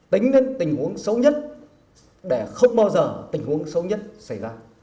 tính đến tình huống xấu nhất để không bao giờ tình huống xấu nhất xảy ra